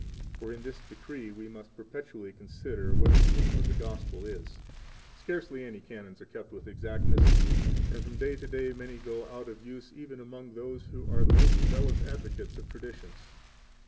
66 For in this decree we must perpetually consider what the aim of the Gospel is. 67 Scarcely any Canons are kept with exactness, and from day to day many go out of use even among those who are the most zealous advocates of traditions.